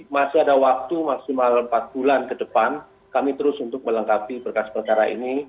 masih ada waktu maksimal empat bulan ke depan kami terus untuk melengkapi berkas perkara ini